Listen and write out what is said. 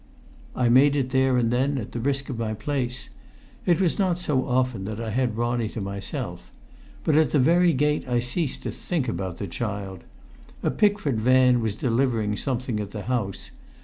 I made it there and then at the risk of my place; it was not so often that I had Ronnie to myself. But at the very gate I ceased to think about the child. A Pickford van was delivering something at the house.